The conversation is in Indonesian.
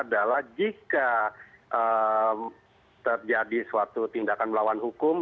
adalah jika terjadi suatu tindakan melawan hukum